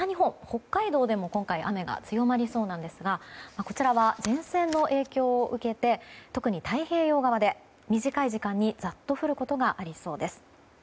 北海道でも今回雨が強まりそうですがこちらは、前線の影響を受けて特に太平洋側で短い時間にざっと降ることがありそうです。